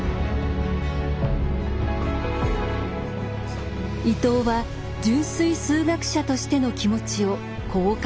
伊藤は純粋数学者としての気持ちをこう書きました。